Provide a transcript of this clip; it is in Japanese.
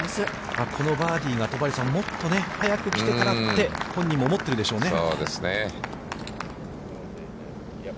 このバーディーが、もっとね早く来てたらって本人も思っているでしょうね。